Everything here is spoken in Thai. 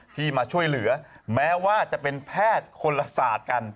ที่มาช่วยเหลือแม้ว่าจะเป็นแพทย์คนละศาสตร์กัน